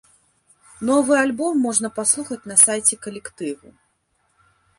Новы альбом можна паслухаць на сайце калектыву.